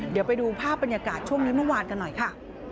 เดี๋ยวไปดูภาพบรรยากาศช่วงนี้เมื่อวานกันหน่อยค่ะ